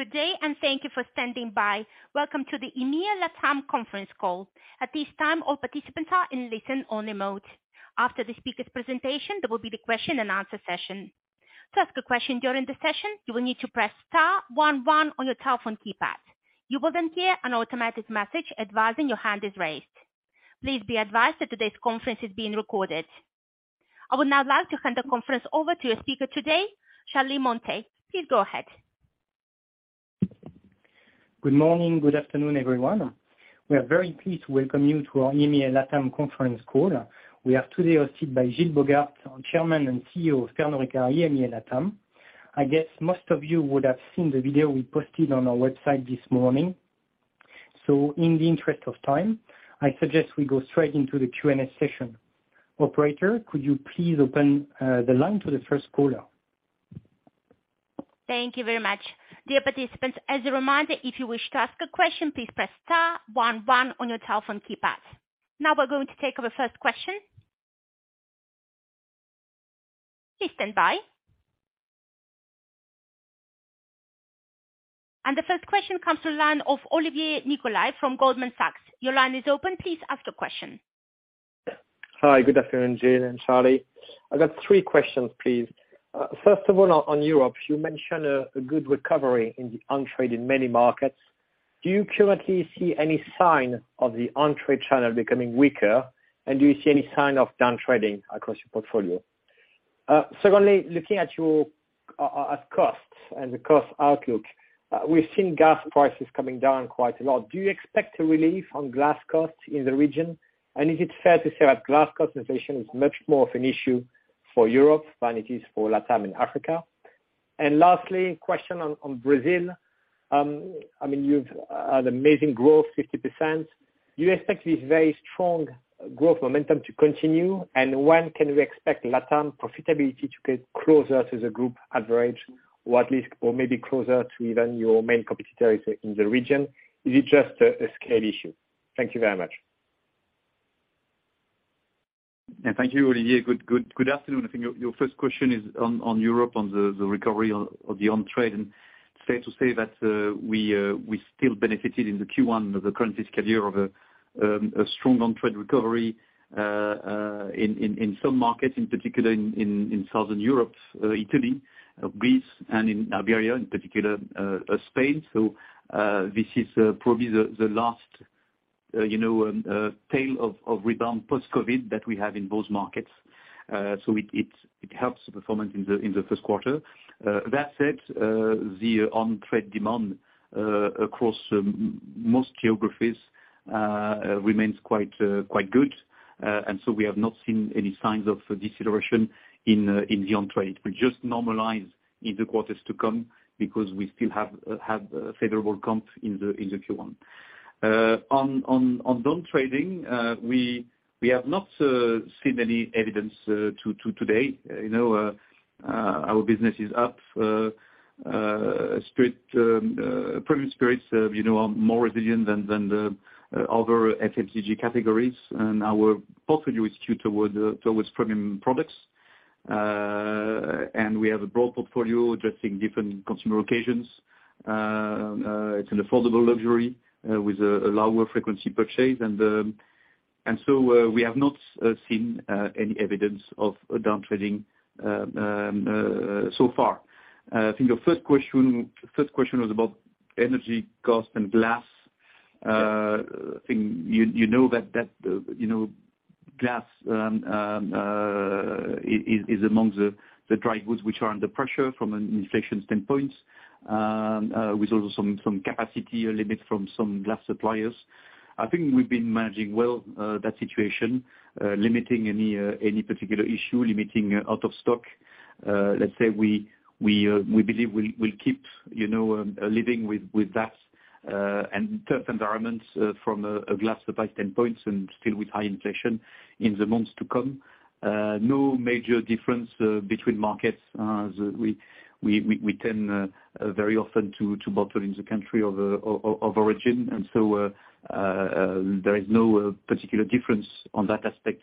Good day, thank you for standing by. Welcome to the EMEA LATAM conference call. At this time, all participants are in listen only mode. After the speaker's presentation, there will be the question and answer session. To ask a question during the session, you will need to press star one one on your telephone keypad. You will then hear an automatic message advising your hand is raised. Please be advised that today's conference is being recorded. I would now like to hand the conference over to your speaker today, Charly Montet. Please go ahead. Good morning. Good afternoon, everyone. We are very pleased to welcome you to our EMEA LATAM conference call. We are today hosted by Gilles Bogaert, our Chairman and CEO of Pernod Ricard, EMEA LATAM. I guess most of you would have seen the video we posted on our website this morning. In the interest of time, I suggest we go straight into the Q&A session. Operator, could you please open the line to the first caller? Thank you very much. Dear participants, as a reminder, if you wish to ask a question, please press star one one on your telephone keypad. Now we're going to take our first question. Please stand by. The first question comes to the line of Olivier Nicolai from Goldman Sachs. Your line is open. Please ask your question. Hi. Good afternoon, Gilles and Charly. I've got three questions, please. First of all, on Europe, you mentioned a good recovery in the on-trade in many markets. Do you currently see any sign of the on-trade channel becoming weaker? Do you see any sign of downtrading across your portfolio? Secondly, looking at your costs and the cost outlook, we've seen gas prices coming down quite a lot. Do you expect a relief on glass costs in the region? Is it fair to say that glass cost inflation is much more of an issue for Europe than it is for LATAM and Africa? Lastly, question on Brazil, I mean, you've an amazing growth, 50%. Do you expect this very strong growth momentum to continue? When can we expect LATAM profitability to get closer to the group average or at least or maybe closer to even your main competitors in the region? Is it just a scale issue? Thank you very much. Thank you, Olivier. Good afternoon. I think your first question is on Europe, on the recovery of the on-trade, and fair to say that we still benefited in the Q1 of the current fiscal year of a strong on-trade recovery in some markets, in particular in Southern Europe, Italy, Greece, and in Iberia, in particular, Spain. This is probably the last, you know, tail of rebound post-COVID that we have in those markets. It helps the performance in the first quarter. That said, the on-trade demand across most geographies remains quite good. We have not seen any signs of deceleration in the on-trade. We just normalize in the quarters to come because we still have favorable comp in the Q1. On downtrading, we have not seen any evidence to today. You know, our business is up, spirit, premium spirits, you know, are more resilient than the other FMCG categories. Our portfolio is skewed towards premium products. We have a broad portfolio addressing different consumer occasions. It's an affordable luxury with a lower frequency purchase. So, we have not seen any evidence of downtrading so far. I think your first question was about energy cost and glass. I think you know that, you know, glass is among the dry goods which are under pressure from an inflation standpoint, with also some capacity limits from some glass suppliers. I think we've been managing well that situation, limiting any particular issue, limiting out of stock. Let's say we believe we'll keep, you know, living with that and tough environments from a glass supply standpoint and still with high inflation in the months to come. No major difference between markets. As we tend very often to bottle in the country of origin. There is no particular difference on that aspect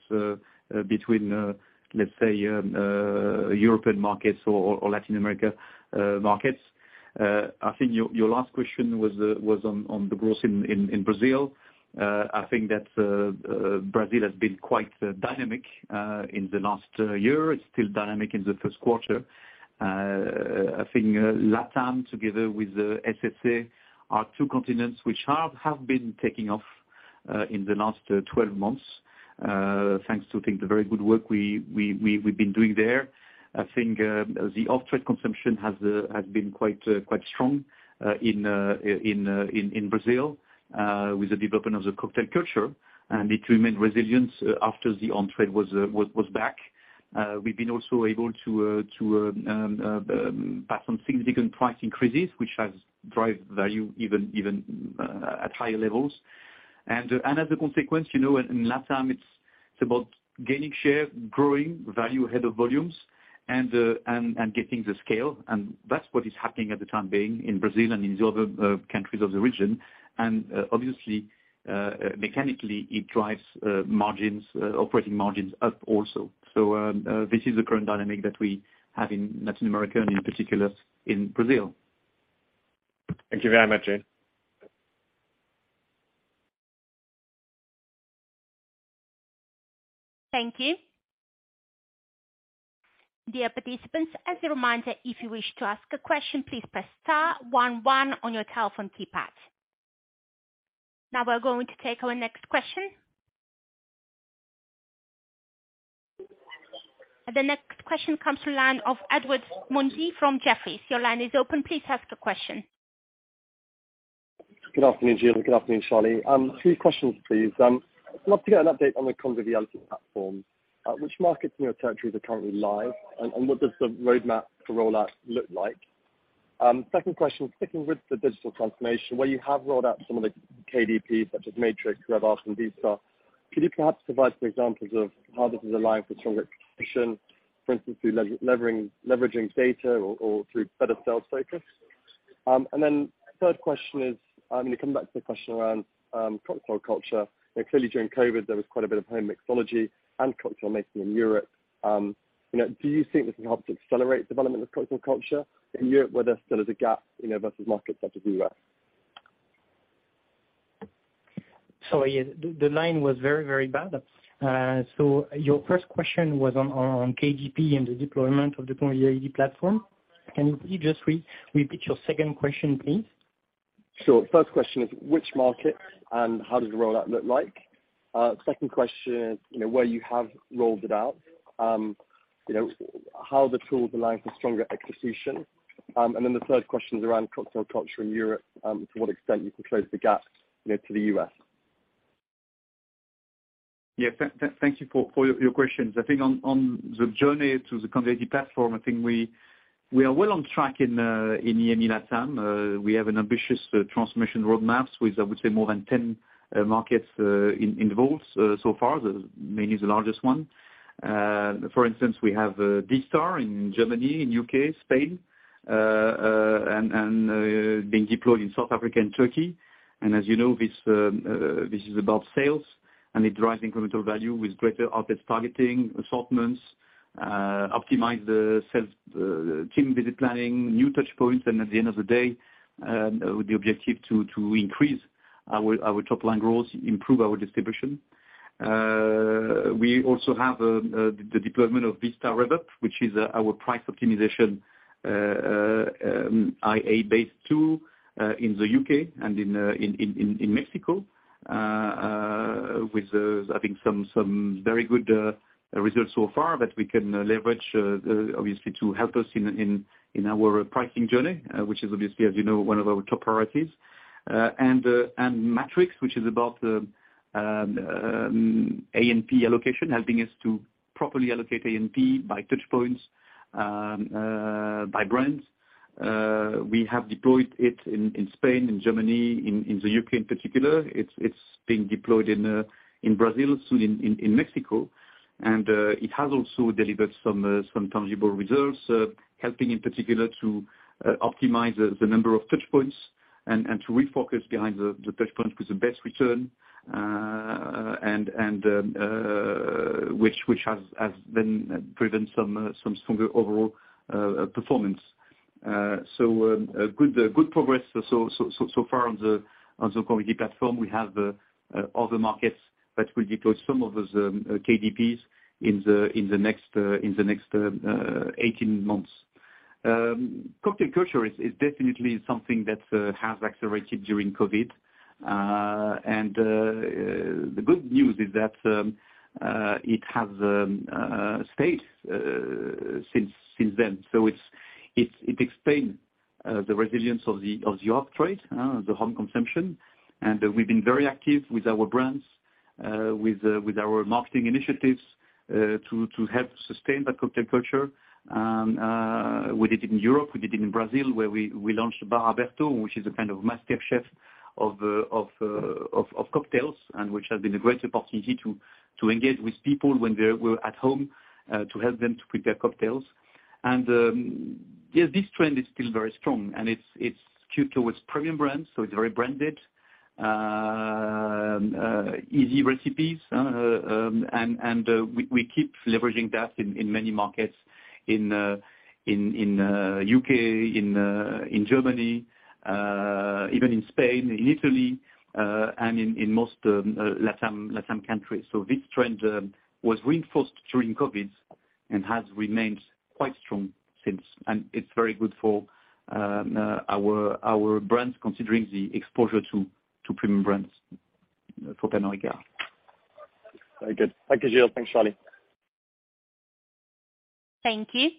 between let's say European markets or Latin America markets. I think your last question was on the growth in Brazil. I think that Brazil has been quite dynamic in the last year. It's still dynamic in the first quarter. I think LATAM together with the SSA are two continents which have been taking off in the last 12 months thanks to, I think, the very good work we've been doing there. I think, the off-trade consumption has been quite strong in Brazil, with the development of the cocktail culture, and it remained resilient after the on-trade was back. We've been also able to pass on significant price increases, which has drive value even at higher levels. As a consequence, you know, in LATAM it's about gaining share, growing value ahead of volumes and getting the scale. That's what is happening at the time being in Brazil and in the other countries of the region. Obviously, mechanically, it drives margins, operating margins up also. This is the current dynamic that we have in Latin America and in particular in Brazil. Thank you very much, Gilles. Thank you. Dear participants, as a reminder, if you wish to ask a question, please press star one one on your telephone keypad. Now we're going to take our next question. The next question comes from line of Edward Mundy from Jefferies. Your line is open. Please ask the question. Good afternoon, Gilles. Good afternoon, Charly. Two questions, please. I'd love to get an update on the Conviviality Platform. Which markets and your territories are currently live and what does the roadmap for rollout look like? Second question, sticking with the digital transformation, where you have rolled out some of the KDP such as Matrix, RevUp, and Vista, could you perhaps provide some examples of how this is aligned for stronger execution, for instance, through leveraging data or through better sales focus? Third question is, I'm gonna come back to the question around cocktail culture. You know, clearly during COVID, there was quite a bit of home mixology and cultural mixing in Europe. You know, do you think this has helped accelerate development of cultural culture in Europe where there still is a gap, you know, versus markets such as U.S.? Sorry, the line was very bad. Your first question was on KDPs and the deployment of the Conviviality Platform. Can you please just repeat your second question, please? Sure. First question is which markets and how does the rollout look like? Second question is, you know, where you have rolled it out, you know, how are the tools aligned for stronger execution? The third question is around cocktail culture in Europe, to what extent you can close the gap, you know, to the U.S. Yeah. Thank you for your questions. I think on the journey to the Conviviality Platform, I think we are well on track in EMEA LATAM. We have an ambitious transformation roadmaps with I would say more than 10 markets involved so far, mainly the largest one. For instance, we have Vista in Germany, in U.K., Spain, and being deployed in South Africa and Turkey. As you know, this is about sales, and it drives incremental value with greater output targeting, assortments, optimize the sales team visit planning, new touchpoints, and at the end of the day, with the objective to increase our top line growth, improve our distribution. We also have the deployment of Vista RevUp, which is our price optimization, AI-based tool, in the U.K. and in Mexico, with I think some very good results so far that we can leverage obviously to help us in our pricing journey, which is obviously, as you know, one of our top priorities. Matrix, which is about the A&P allocation, helping us to properly allocate A&P by touchpoints, by brands. We have deployed it in Spain, in Germany, in the U.K. in particular. It's being deployed in Brazil, soon in Mexico. It has also delivered some tangible results, helping in particular to optimize the number of touchpoints and to refocus behind the touchpoint with the best return, and which has then driven some stronger overall performance. Good progress so far on the Conviviality Platform. We have other markets that will deploy some of those KDPs in the next 18 months. Cocktail culture is definitely something that has accelerated during COVID. The good news is that it has stayed since then. So it explains the resilience of the off-trade, the home consumption. We've been very active with our brands, with our marketing initiatives, to help sustain that cocktail culture. We did it in Europe, we did it in Brazil, where we launched Bar Aberto, which is a kind of MasterChef of cocktails and which has been a great opportunity to engage with people when they were at home, to help them to prepare cocktails. Yeah, this trend is still very strong and it's skewed towards premium brands, so it's very branded. Easy recipes, and we keep leveraging that in many markets in U.K., in Germany, even in Spain, in Italy, and in most LATAM countries. This trend was reinforced during COVID and has remained quite strong since. It's very good for our brands, considering the exposure to premium brands for Pernod Ricard. Very good. Thank you, Gilles. Thanks, Charly. Thank you.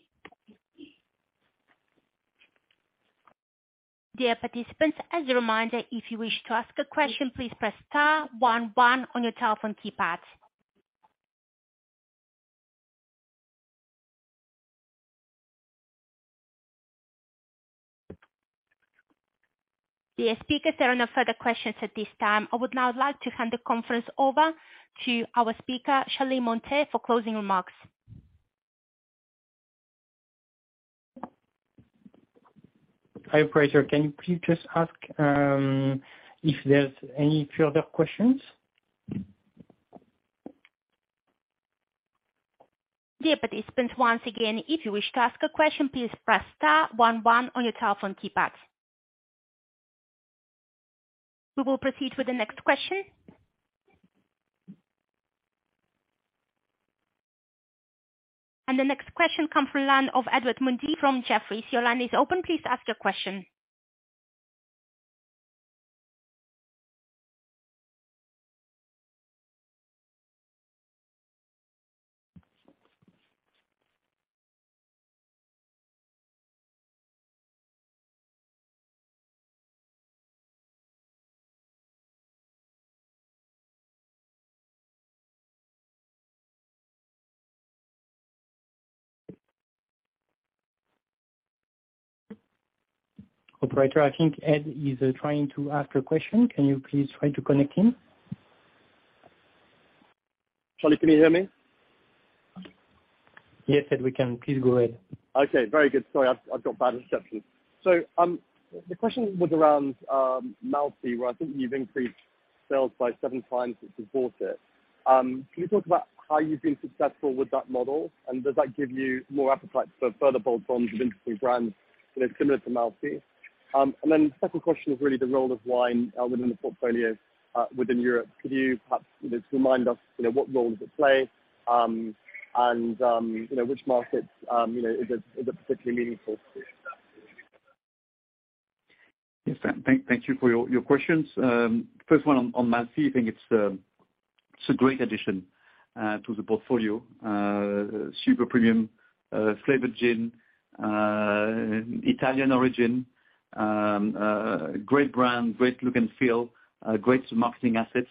Dear participants, as a reminder, if you wish to ask a question, please press star one one on your telephone keypad. Dear speakers, there are no further questions at this time. I would now like to hand the conference over to our speaker, Charly Montet, for closing remarks. Hi, Priscilla. Can you please just ask if there's any further questions? Dear participants, once again, if you wish to ask a question, please press star one one on your telephone keypad. We will proceed with the next question. The next question comes from line of Edward Mundy from Jefferies. Your line is open. Please ask your question. Operator, I think Ed is trying to ask a question. Can you please try to connect him? Charlie, can you hear me? Yes, Ed, we can. Please go ahead. Okay, very good. Sorry, I've got bad reception. The question was around Malfy, where I think you've increased sales by seven times since you bought it. Can you talk about how you've been successful with that model, and does that give you more appetite for further bolts-on of interesting brands, you know, similar to Malfy? Second question is really the role of wine within the portfolio within Europe. Could you perhaps just remind us, you know, what role does it play? You know, which markets, you know, is it particularly meaningful to you? Yes, thank you for your questions. First one on Malfy. I think it's a great addition to the portfolio. Super premium flavored gin, Italian origin, great brand, great look and feel, great marketing assets.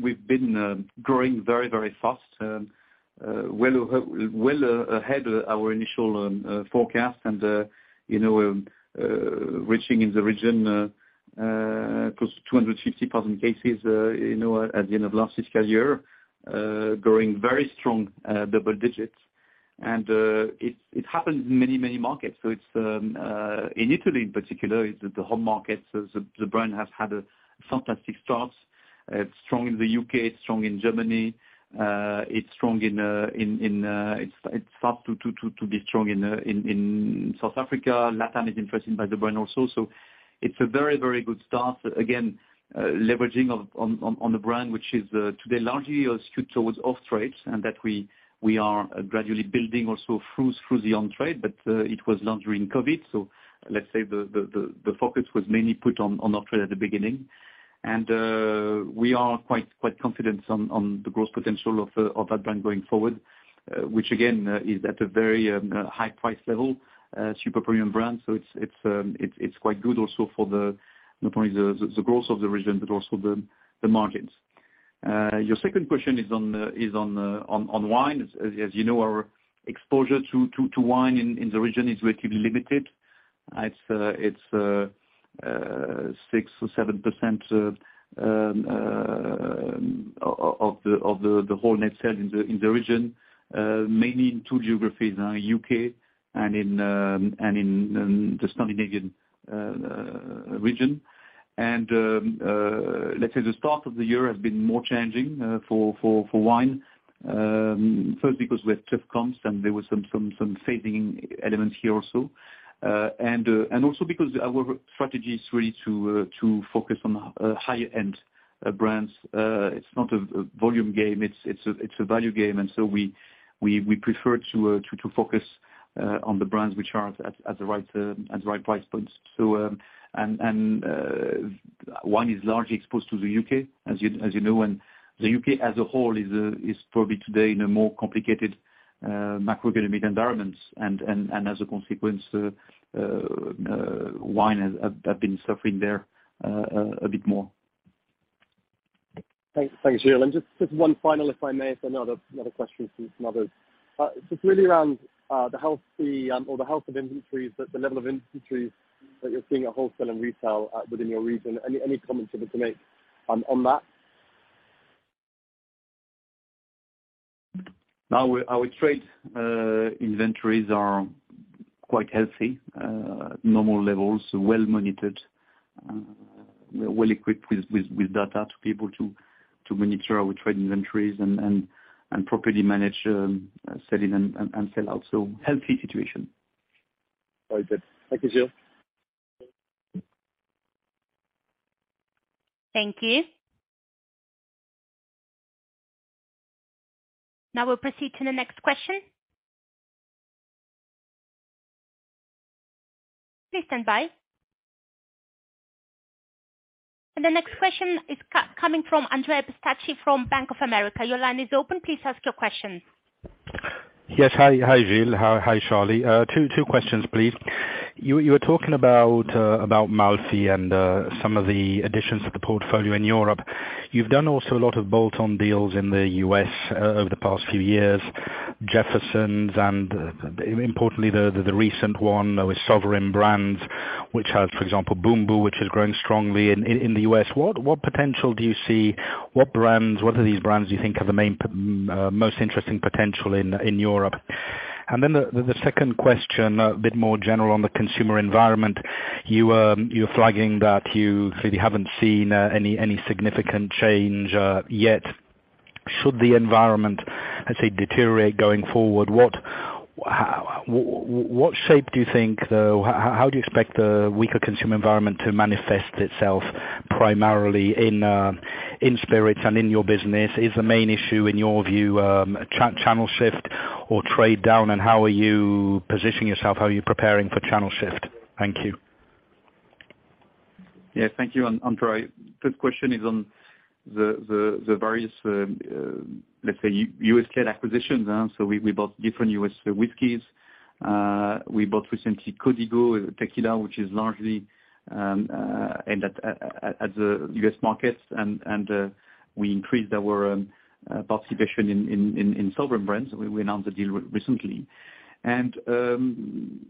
We've been growing very, very fast, well ahead of our initial forecast and, you know, reaching in the region close to 250,000 cases, you know, at the end of last fiscal year. Growing very strong double digits. It happened in many, many markets. It's in Italy in particular, is the home market. The brand has had a fantastic start. It's strong in the U.K., it's strong in Germany, it's strong in South Africa. Latin is interested by the brand also. It's a very, very good start. Again, leveraging on the brand, which is today largely skewed towards off-trade, and that we are gradually building also through the on-trade, but it was launched during COVID. Let's say the focus was mainly put on off-trade at the beginning. We are quite confident on the growth potential of that brand going forward, which again, is at a very high price level, super premium brand. It's quite good also for the, not only the growth of the region, but also the margins. Your second question is on wine. As you know, our exposure to wine in the region is relatively limited. It's 6% or 7% of the whole net sell in the region. Mainly in two geographies, in U.K. and in the Scandinavian region. Let's say the start of the year has been more challenging for wine. First because we have tough comps and there was some fading elements here also. Because our strategy is really to focus on high-end brands. It's not a volume game, it's a value game. We prefer to focus on the brands which are at the right price points. Wine is largely exposed to the U.K., as you know. The U.K. as a whole is probably today in a more complicated macroeconomic environment. As a consequence, wine has been suffering there a bit more. Thanks, Gilles. Just one final, if I may, I know that another question from some others. Just really around the healthy or the health of inventories, the level of inventories that you're seeing at wholesale and retail within your region. Any comments you want to make on that? Our trade inventories are quite healthy, normal levels, well-monitored, well-equipped with data to be able to monitor our trade inventories and properly manage selling and sell out. Healthy situation. All right, then. Thank you, Gilles. Thank you. Now we'll proceed to the next question. Please stand by. The next question is coming from Andrea Pistacchi from Bank of America. Your line is open. Please ask your question. Yes. Hi. Hi, Gilles. Hi, Charly. Two questions, please. You were talking about Malfy and some of the additions to the portfolio in Europe. You've done also a lot of bolt-on deals in the U.S. over the past few years, Jefferson's, and importantly the recent one with Sovereign Brands, which has, for example, Bumbu, which is growing strongly in the U.S. What potential do you see? What brands, what of these brands do you think are the main most interesting potential in Europe? The second question, a bit more general on the consumer environment. You're flagging that you really haven't seen any significant change yet. Should the environment, let's say, deteriorate going forward, what, how, what shape do you think the... How do you expect the weaker consumer environment to manifest itself primarily in in spirits and in your business? Is the main issue, in your view, channel shift or trade down? How are you positioning yourself? How are you preparing for channel shift? Thank you. Yeah, thank you, Andrea. First question is on the various, let's say, U.S. scale acquisitions, so we bought different U.S. Whiskies. We bought recently Código Tequila, which is largely aimed at the U.S. markets and we increased our participation in Sovereign Brands. We announced the deal recently. Even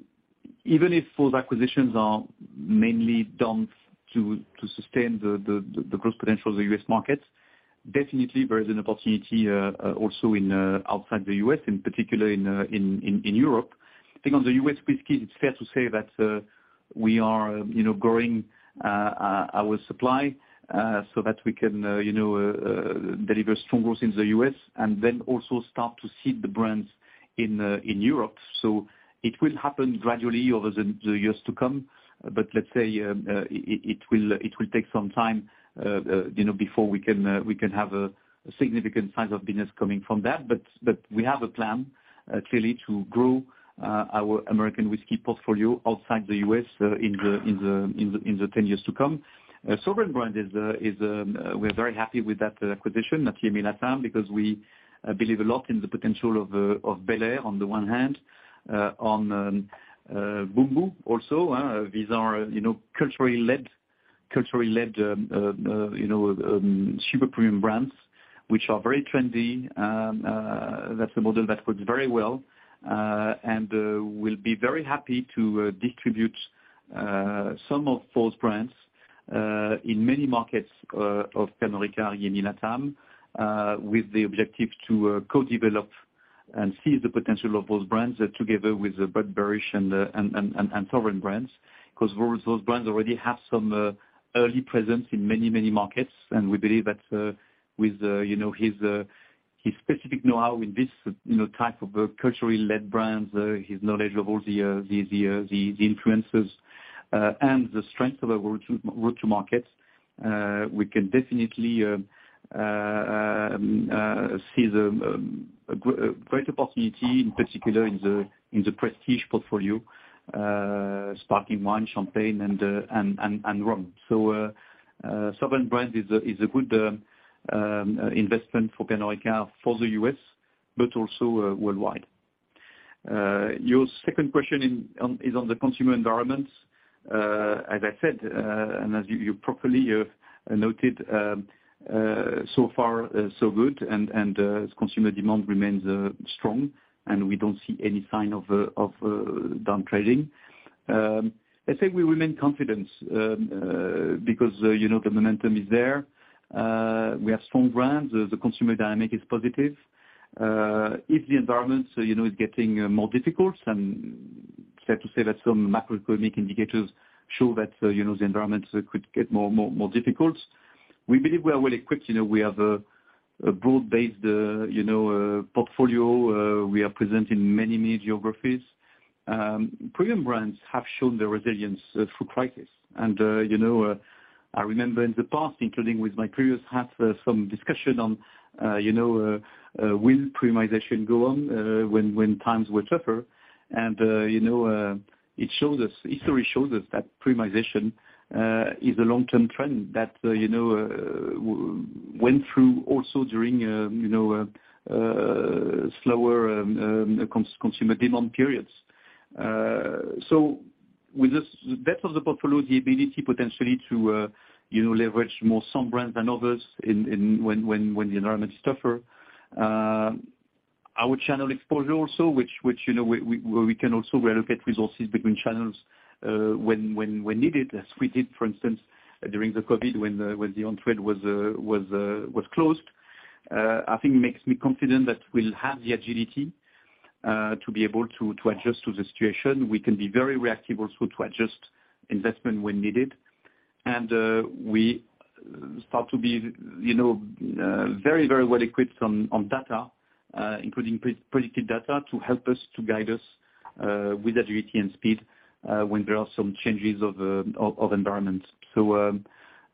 if those acquisitions are mainly done to sustain the growth potential of the U.S. market, definitely there is an opportunity also outside the U.S., in particular in Europe. I think on the U.S. Whiskey it's fair to say that, we are, you know, growing our supply so that we can, you know, deliver strong growth in the U.S. and then also start to seed the brands in Europe. It will happen gradually over the years to come but let's say, it will take some time, you know, before we can have a significant size of business coming from that. We have a plan, clearly to grow our American Whiskey portfolio outside the U.S., in the 10 years to come. Sovereign Brands is, we're very happy with that acquisition at LATAM because we believe a lot in the potential of Belair on the one hand, on Bumbu also. These are, you know, culturally led, you know, super premium brands which are very trendy. That's a model that works very well. We'll be very happy to distribute some of those brands in many markets of Pernod Ricard in LATAM with the objective to co-develop and seize the potential of those brands together with Budvar and Sovereign Brands. 'Cause those brands already have some early presence in many markets and we believe that, you know, his specific knowhow in this type of culturally led brands, his knowledge of all the influences, and the strength of our route to market, we can definitely seize a great opportunity in particular in the prestige portfolio, sparking wine, champagne, and rum. Sovereign Brands is a good investment for Pernod Ricard for the U.S. but also worldwide. Your second question is on the consumer environment. As I said, as you properly have noted, so far so good and consumer demand remains strong and we don't see any sign of downtrading. I'd say we remain confident because, you know, the momentum is there. We have strong brands. The consumer dynamic is positive. If the environment, you know, is getting more difficult and sad to say that some macroeconomic indicators show that, you know, the environment could get more difficult. We believe we are well-equipped. You know, we have a broad-based, you know, portfolio. We are present in many new geographies. Premium brands have shown their resilience through crisis. You know, I remember in the past, including with my previous hat, some discussion on, you know, will premiumization go on when times were tougher? you know, it shows us, history shows us that premiumization is a long-term trend that, you know, went through also during, you know, slower consumer demand periods. So with this depth of the portfolio, the ability potentially to, you know, leverage more some brands than others in when the environment is tougher. Our channel exposure also which, you know, we can also reallocate resources between channels, when needed, as we did, for instance, during the COVID when the on-trade was closed. I think makes me confident that we'll have the agility to be able to adjust to the situation. We can be very reactive also to adjust investment when needed. We start to be, you know, very, very well equipped on data, including pre-predicted data to help us to guide us with agility and speed when there are some changes of environment.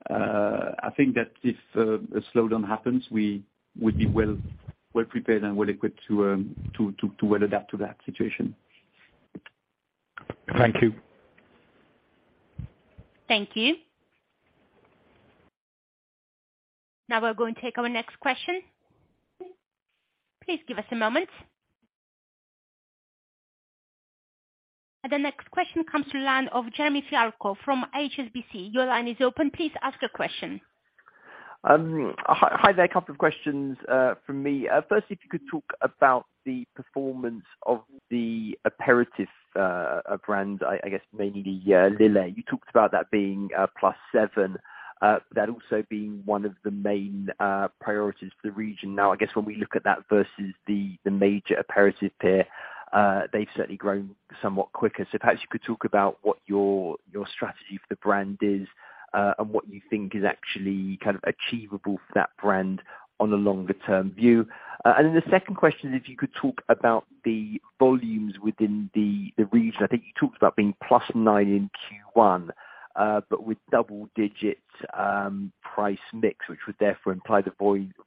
I think that if a slowdown happens, we would be well-prepared and well-equipped to well adapt to that situation. Thank you. Thank you. We're going to take our next question. Please give us a moment. The next question comes to line of Jeremy Fialko from HSBC. Your line is open. Please ask your question. Hi there. A couple of questions from me. First, if you could talk about the performance of the aperitif brands, I guess mainly Lillet. You talked about that being +7%, that also being one of the main priorities for the region. I guess when we look at that versus the major aperitif peer, they've certainly grown somewhat quicker. Perhaps you could talk about what your strategy for the brand is, and what you think is actually kind of achievable for that brand on a longer term view. Then the second question is if you could talk about the volumes within the region. I think you talked about being +9% in Q1, but with double-digits price mix, which would therefore imply the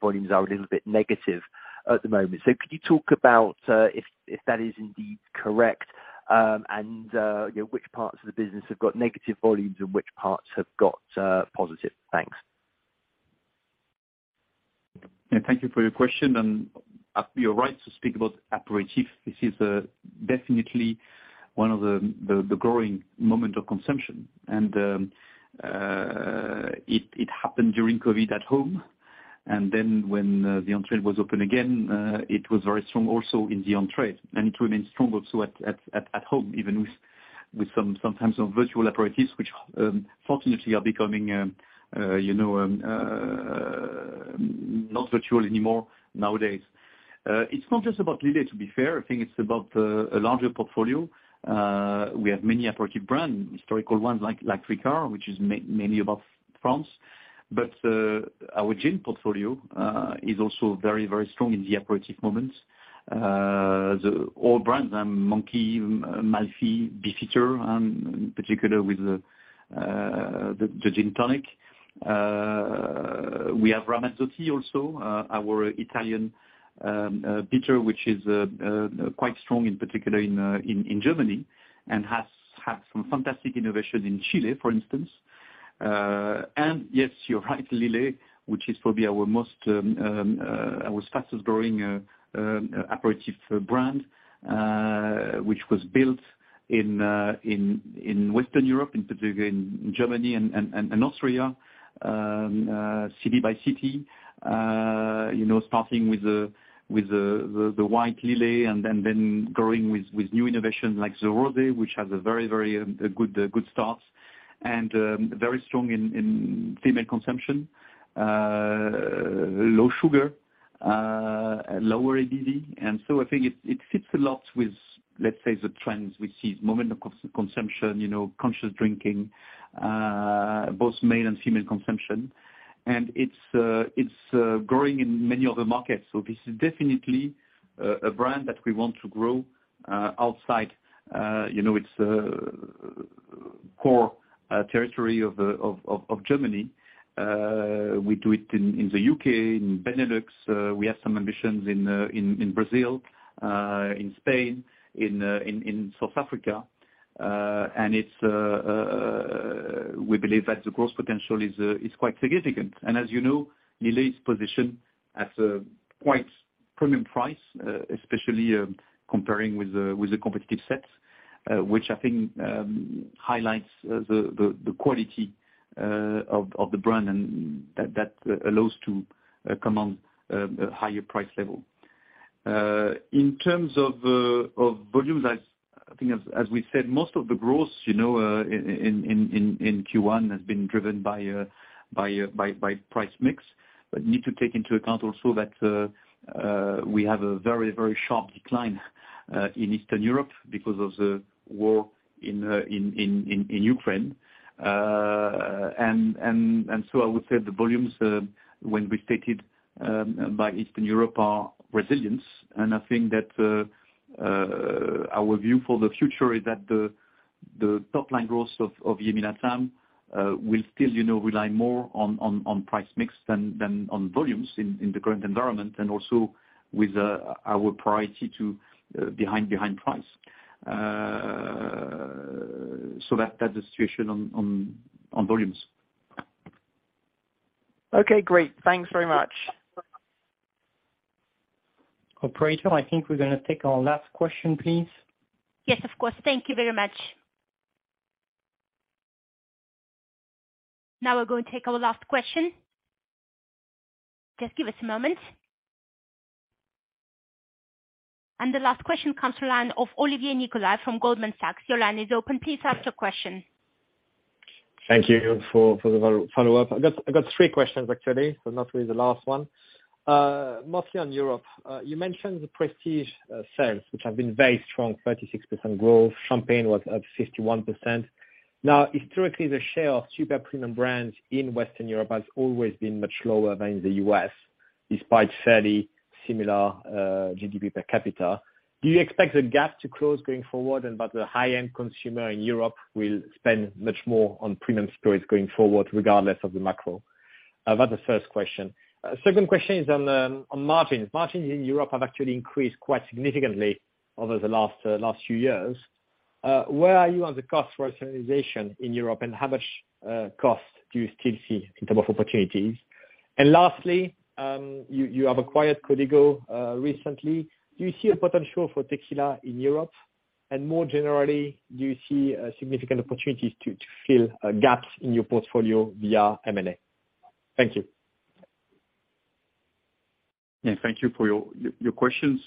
volumes are a little bit negative at the moment. Could you talk about if that is indeed correct? You know, which parts of the business have got negative volumes and which parts have got positive? Thanks. Yeah, thank you for your question and you're right to speak about operative. This is definitely one of the growing moment of consumption. It happened during COVID at home. When the on-trade was open again, it was very strong also in the on-trade, and it remained strong also at home, even with sometimes virtual operatives which fortunately are becoming, you know, not virtual anymore nowadays. It's not just about Lillet, to be fair, I think it's about a larger portfolio. We have many operative brand, historical ones like Ricard, which is mainly about France. Our gin portfolio is also very, very strong in the operative moments. All brands, Monkey, Malfy, Beefeater, in particular with the Gin Tonic. We have Ramazzotti also, our Italian bitter which is quite strong in particular in Germany and has had some fantastic innovation in Chile, for instance. Yes, you're right, Lillet, which is probably our most fastest-growing operative brand, which was built in Western Europe, in particular in Germany and Austria, city by city, you know, starting with the White Lillet and then growing with new innovations like the Rose, which has a very good start and very strong in female consumption. Low sugar, lower ABV. I think it fits a lot with, let's say, the trends we see moment of consumption, you know, conscious drinking, both male and female consumption. It's, it's growing in many other markets. This is definitely a brand that we want to grow outside, you know, its core territory of Germany. We do it in the U.K., in Benelux. We have some ambitions in Brazil, in Spain, in South Africa. It's, we believe that the growth potential is quite significant. As you know, Lillet's position at a quite premium price, especially, comparing with the competitive sets, which I think highlights the quality of the brand and that allows to command a higher price level. In terms of volumes, I think as we said, most of the growth, you know, in Q1 has been driven by price mix, but need to take into account also that we have a very sharp decline in Eastern Europe because of the war in Ukraine. And so I would say the volumes, when restated, by Eastern Europe are resilience. I think that, our view for the future is that the top line growth of EMEA LATAM will still, you know, rely more on price mix than on volumes in the current environment and also with our priority to behind price. That's the situation on volumes. Okay, great. Thanks very much. Operator, I think we're gonna take our last question, please. Yes, of course. Thank you very much. Now we're going to take our last question. Just give us a moment. The last question comes to line of Olivier Nicolai from Goldman Sachs. Your line is open. Please ask your question. Thank you for the follow up. I got three questions actually, so not really the last one. Mostly on Europe. You mentioned the prestige sales, which have been very strong, 36% growth. Champagne was up 51%. Historically, the share of super premium brands in Western Europe has always been much lower than in the U.S., despite fairly similar GDP per capita. Do you expect the gap to close going forward and that the high-end consumer in Europe will spend much more on premium spirits going forward regardless of the macro? That's the first question. Second question is on margins. Margins in Europe have actually increased quite significantly over the last few years. Where are you on the cost rationalization in Europe, and how much cost do you still see in terms of opportunities? Lastly, you have acquired Código recently. Do you see a potential for Tequila in Europe? More generally, do you see significant opportunities to fill gaps in your portfolio via M&A? Thank you. Thank you for your questions.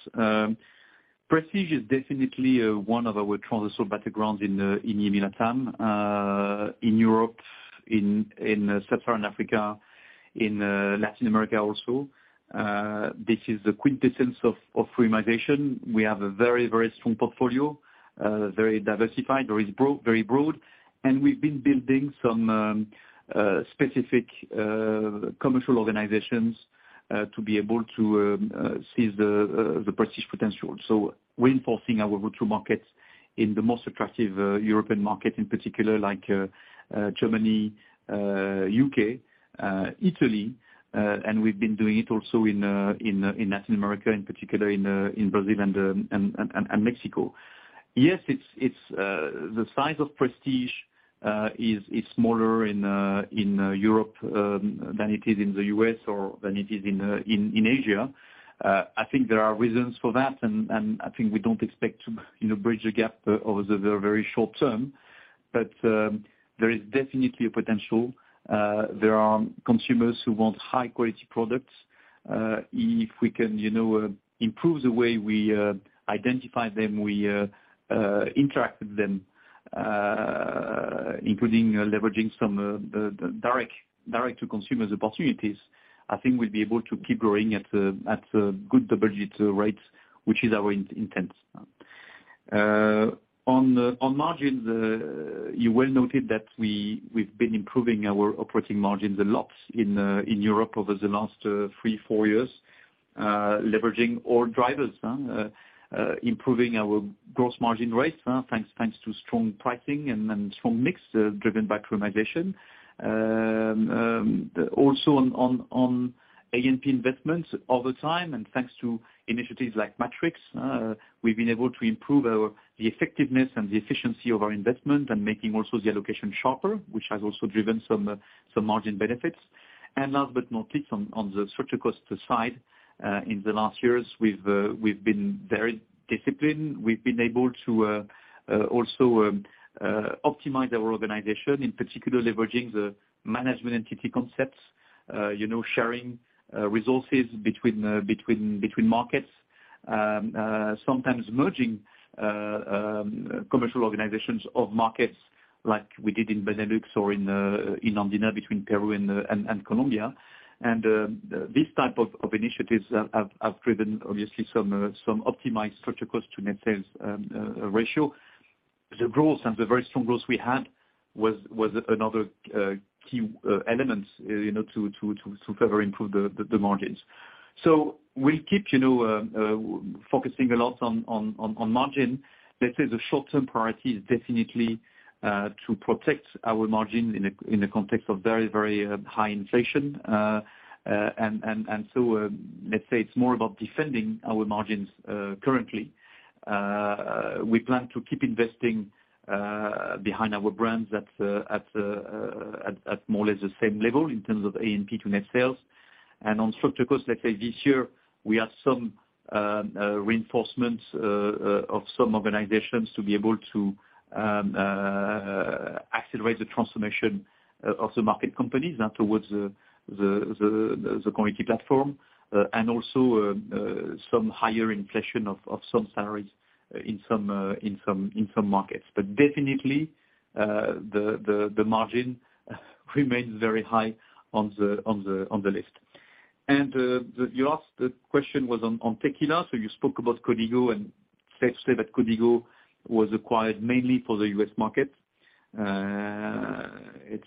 Prestige is definitely one of our trends also battlegrounds in EMEA LATAM, in Europe, in Sub-Saharan Africa, in Latin America also. This is the quintessence of premiumization. We have a very strong portfolio, very diversified, very broad. We've been building some specific commercial organizations to be able to seize the prestige potential. We're enforcing our go-to-market in the most attractive European market, in particular like Germany, U.K., Italy. We've been doing it also in Latin America, in particular in Brazil and Mexico. Yes, it's the size of prestige is smaller in Europe than it is in the U.S. or than it is in Asia. I think there are reasons for that and I think we don't expect to, you know, bridge the gap over the very short term. There is definitely a potential. There are consumers who want high quality products. If we can, you know, improve the way we identify them, we interact with them, including leveraging some direct-to-consumer opportunities, I think we'll be able to keep growing at good double-digit rates, which is our intent. On the, on margins, you well noted that we've been improving our operating margins a lot in Europe over the last three, four years, leveraging all drivers, improving our gross margin rate, thanks to strong pricing and then strong mix driven by premiumization. Also on A&P investments over time and thanks to initiatives like Matrix, we've been able to improve our, the effectiveness and the efficiency of our investment and making also the allocation sharper, which has also driven some margin benefits. Last but not least, on the structural cost side, in the last years we've been very disciplined. We've been able to also optimize our organization, in particular leveraging the management entity concepts, you know, sharing resources between markets, sometimes merging commercial organizations of markets like we did in Benelux or in Andina between Peru and Colombia. This type of initiatives have driven obviously some optimized structural cost to net sales ratio. The growth and the very strong growth we had was another key element, you know, to further improve the margins. We keep, you know, focusing a lot on margin. Let's say the short-term priority is definitely to protect our margins in a context of very high inflation. Let's say it's more about defending our margins, currently. We plan to keep investing behind our brands at more or less the same level in terms of A&P to net sales. On structural cost, let's say this year, we have some reinforcements of some organizations to be able to accelerate the transformation of the market companies towards the Conviviality Platform. Also, some higher inflation of some salaries in some markets. Definitely, the margin remains very high on the list. Your last question was on tequila. You spoke about Código and safe to say that Código was acquired mainly for the U.S. market. It's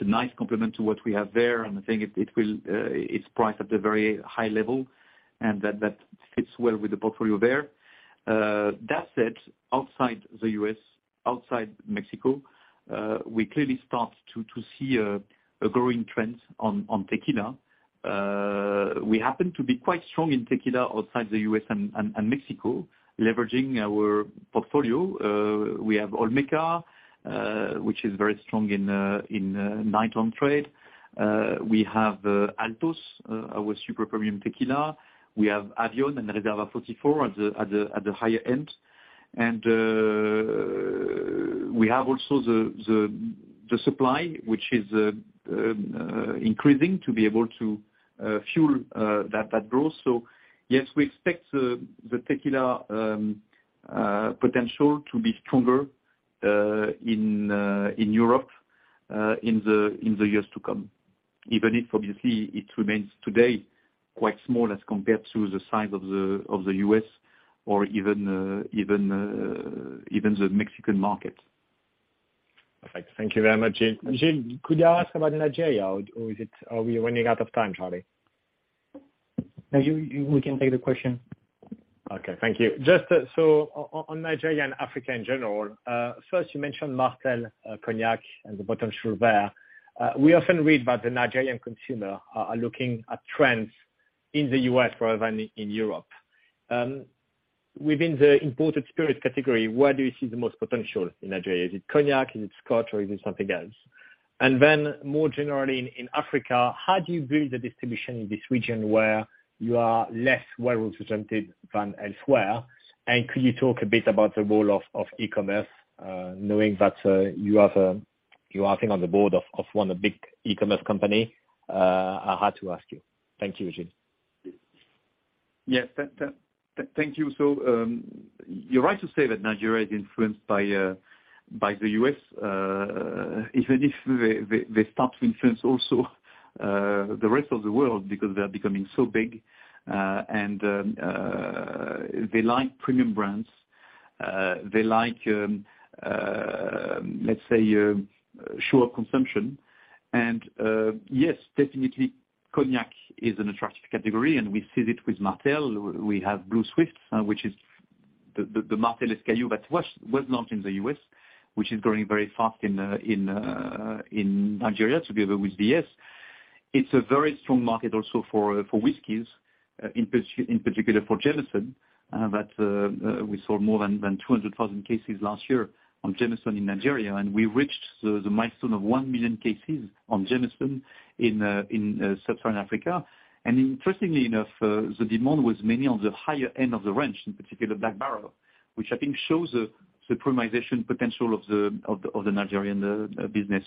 a nice complement to what we have there, and I think it will, it's priced at a very high level, and that fits well with the portfolio there. That said, outside the U.S., outside Mexico, we clearly start to see a growing trend on tequila. We happen to be quite strong in tequila outside the U.S. and Mexico, leveraging our portfolio. We have Olmeca, which is very strong in night on trade. We have Altos, our super premium tequila. We have Avión and Reserva 44 at the higher end. We have also the supply, which is increasing to be able to fuel that growth. Yes, we expect the tequila potential to be stronger in Europe in the years to come. Even if obviously it remains today quite small as compared to the size of the U.S. or even the Mexican market. Perfect. Thank you very much. Gilles, could I ask about Nigeria or is it... Are we running out of time, Charly? No, you, we can take the question. Okay, thank you. Just on Nigeria and Africa in general, first you mentioned Martell Cognac and the potential there. We often read about the Nigerian consumer are looking at trends in the U.S. rather than in Europe. Within the imported spirit category, where do you see the most potential in Nigeria? Is it Cognac? Is it scotch? Is it something else? More generally in Africa, how do you build the distribution in this region where you are less well represented than elsewhere? Could you talk a bit about the role of e-commerce? Knowing that you are, I think, on the board of one of the big e-commerce company, I had to ask you. Thank you, Gilles. Yes. That. Thank you. You're right to say that Nigeria is influenced by the U.S., even if they start to influence also the rest of the world because they are becoming so big, and they like premium brands. They like, let's say, show of consumption. Yes, definitely Cognac is an attractive category, and we see it with Martell. We have Blue Swift, which is the Martell SKU that was launched in the U.S., which is growing very fast in Nigeria together with BS. It's a very strong market also for whiskeys, in particular for Jameson, that we sold more than 200,000 cases last year on Jameson in Nigeria. We reached the milestone of one million cases on Jameson in Sub-Saharan Africa. Interestingly enough, the demand was mainly on the higher end of the range, in particular Black Barrel, which I think shows the premiumization potential of the Nigerian business.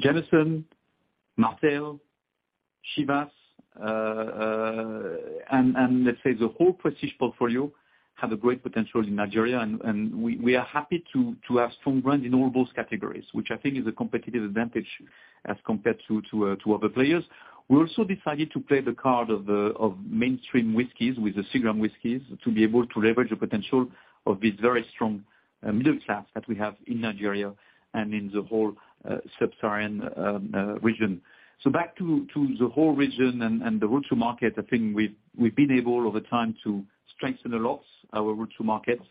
Jameson, Martell, Chivas, and let's say the whole prestige portfolio have a great potential in Nigeria. We are happy to have strong brands in all those categories, which I think is a competitive advantage as compared to other players. We also decided to play the card of mainstream whiskeys with the Seagram's whiskeys to be able to leverage the potential of this very strong middle class that we have in Nigeria and in the whole Sub-Saharan region. Back to the whole region and the route to market, I think we've been able over time to strengthen a lot our route to markets.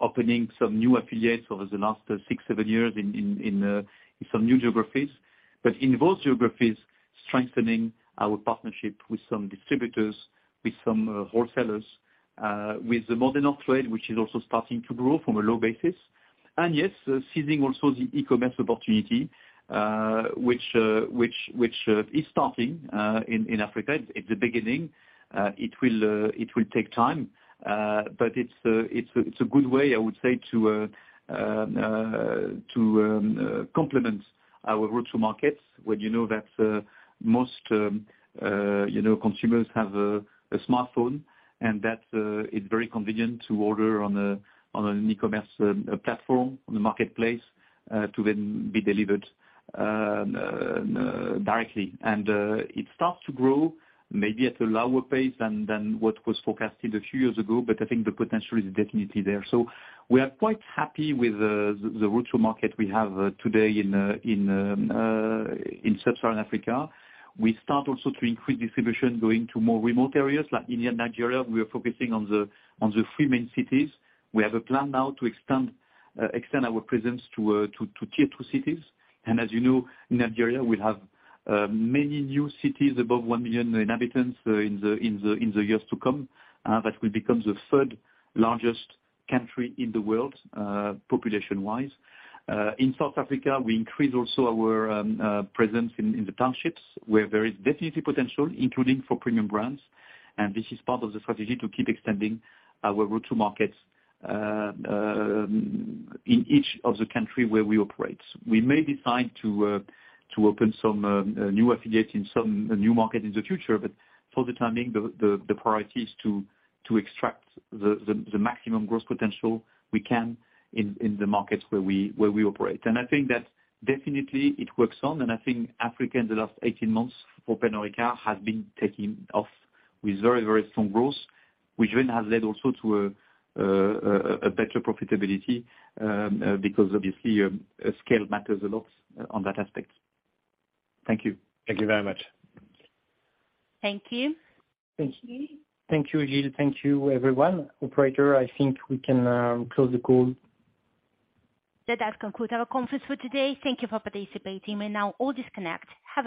Opening some new affiliates over the last six, seven years in some new geographies. In those geographies, strengthening our partnership with some distributors, with some wholesalers, with the modern off-trade, which is also starting to grow from a low basis. Yes, seizing also the e-commerce opportunity, which is starting in Africa. It's the beginning. It will take time, but it's a good way, I would say to complement our route to markets. When you know that most, you know, consumers have a smartphone and that it's very convenient to order on an e-commerce platform, on the marketplace, to then be delivered directly. It starts to grow maybe at a lower pace than what was forecasted a few years ago, but I think the potential is definitely there. We are quite happy with the route to market we have today in Sub-Saharan Africa. We start also to increase distribution going to more remote areas like India and Nigeria. We are focusing on the three main cities. We have a plan now to extend our presence to tier two cities. As you know, in Nigeria, we'll have many new cities above one million inhabitants in the years to come. That will become the third largest country in the world, population-wise. In South Africa, we increase also our presence in the townships, where there is definitely potential, including for premium brands. This is part of the strategy to keep extending our route to markets in each of the country where we operate. We may decide to open some new affiliate in some new market in the future, but for the time being, the priority is to extract the maximum growth potential we can in the markets where we operate. I think that definitely it works on, and I think Africa in the last 18 months for Pernod Ricard has been taking off with very, very strong growth, which then has led also to a better profitability because obviously scale matters a lot on that aspect. Thank you. Thank you very much. Thank you. Thank you. Thank you, Gilles. Thank you, everyone. Operator, I think we can close the call. That does conclude our conference for today. Thank you for participating. You may now all disconnect. Have a good evening.